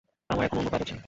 আমার এখন অন্য কাজ আছে।